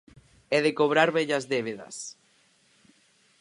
E de cobrar vellas débedas.